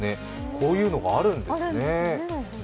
こういうのがあるんですね。